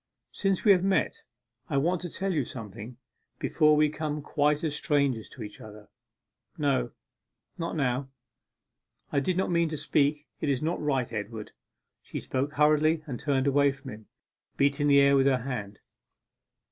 'Since we have met, I want to tell you something, before we become quite as strangers to each other.' 'No not now I did not mean to speak it is not right, Edward.' She spoke hurriedly and turned away from him, beating the air with her hand.